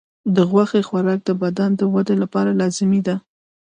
د غوښې خوراک د بدن د ودې لپاره لازمي دی.